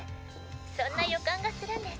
そんなよかんがするんです。